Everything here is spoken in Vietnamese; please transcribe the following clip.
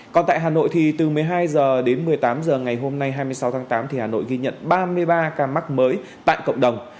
còn tại hà nội thì từ một mươi hai h đến một mươi tám h ngày hôm nay hai mươi sáu tháng tám hà nội ghi nhận ba mươi ba ca mắc mới tại cộng đồng